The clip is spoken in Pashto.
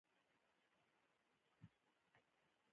د عاملې قوې د تاثیر نقطه راښيي.